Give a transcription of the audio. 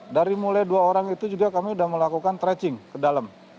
dari mulai dua orang itu juga kami sudah melakukan tracing ke dalam